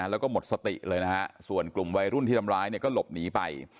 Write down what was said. แล้วก็หมดสติเลยนะฮะส่วนกลุ่มวัยรุ่นที่ทำร้ายเนี่ยก็หลบหนีไป